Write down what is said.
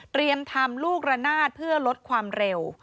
ทำลูกระนาดเพื่อลดความเร็ว